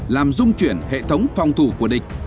làm dung chuyển hệ thống phòng thủ của địch